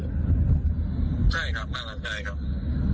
ใช่ครับมากันได้ครับ